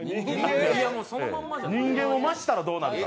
人間を増したらどうなるか。